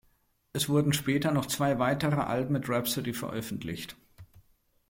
Es wurden später noch zwei weitere Alben mit Rhapsody veröffentlicht.